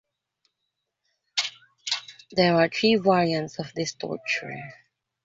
There are three variants of this torture.